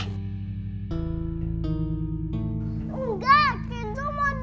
kenzo mau ke rumah sakit